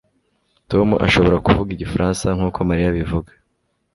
Tom ashobora kuvuga igifaransa nkuko Mariya abivuga